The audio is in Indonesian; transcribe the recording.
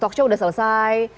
talkshow sudah selesai